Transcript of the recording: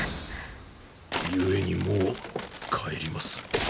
ゆえにもう帰ります。